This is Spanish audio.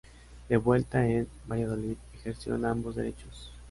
De vuelta en Valladolid, ejerció en ambos derechos.